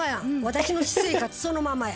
私の私生活そのままや。